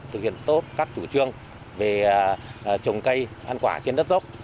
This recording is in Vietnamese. thực hiện tốt các chủ trương về trồng cây ăn quả trên đất dốc